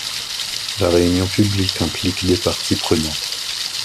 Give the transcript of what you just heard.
La réunion publique implique des parties prenantes.